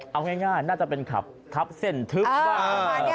เอาง่ายน่าจะเป็นขับเส้นทึบบ้าง